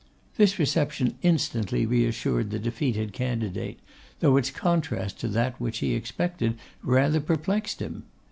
This reception instantly reassured the defeated candidate, though its contrast to that which he expected rather perplexed him.